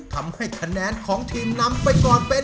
ทำให้คะแนนของทีมนำไปก่อนเป็น